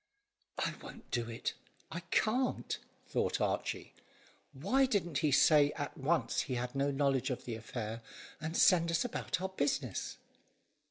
"I won't do it, I can't," thought Archy. "Why didn't he say out at once he had no knowledge of the affair, and send us about our business?"